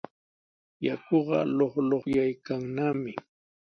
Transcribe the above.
Yakuqa luqluqyaykannami.